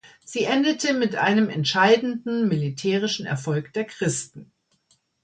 Sie endete mit einem entscheidenden militärischen Erfolg der Christen.